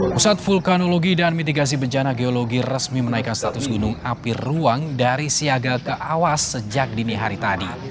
pusat vulkanologi dan mitigasi bencana geologi resmi menaikkan status gunung api ruang dari siaga ke awas sejak dini hari tadi